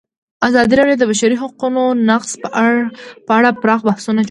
ازادي راډیو د د بشري حقونو نقض په اړه پراخ بحثونه جوړ کړي.